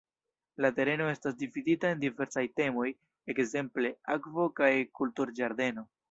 La tereno estas dividita en diversaj temoj, ekzemple "akvo- kaj kultur-ĝardeno".